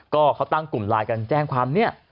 ก็เขาตั้งกลุ่มไลน์กันแจ้งความเนี่ย